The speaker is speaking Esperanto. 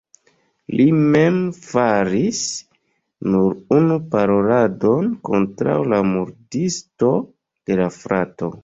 Li mem faris nur unu paroladon kontraŭ la murdisto de la frato.